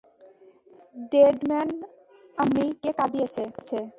Dead man আম্মি কে কাঁদিয়েছে।